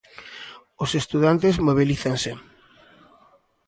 Os estudantes mobilízanse.